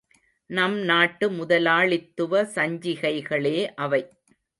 நம் நாட்டு முதலாளித்துவ சஞ்சிகைகளே அவை.